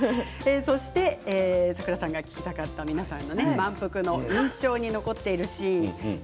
そしてサクラさんが聞きたかった皆さんの「まんぷく」の印象に残っているシーン。